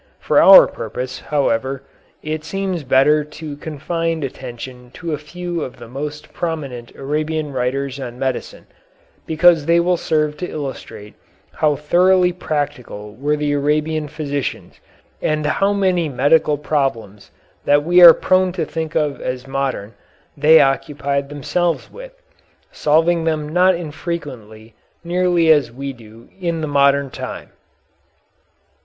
For our purpose, however, it seems better to confine attention to a few of the most prominent Arabian writers on medicine, because they will serve to illustrate how thoroughly practical were the Arabian physicians and how many medical problems that we are prone to think of as modern they occupied themselves with, solving them not infrequently nearly as we do in the modern time.